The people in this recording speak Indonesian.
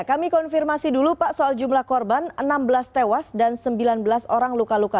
kami konfirmasi dulu pak soal jumlah korban enam belas tewas dan sembilan belas orang luka luka